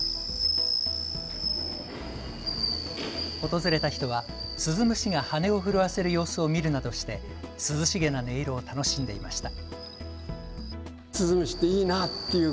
訪れた人はスズムシが羽を震わせる様子を見るなどして涼しげな音色を楽しんでいました。